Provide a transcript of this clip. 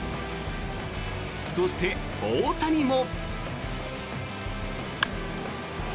そして大谷も。